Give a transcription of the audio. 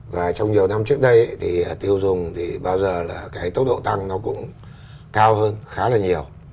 và trong nhiều năm trước đây thì tiêu dùng thì bao giờ là cái tốc độ tăng nó cũng cao hơn khá là nhiều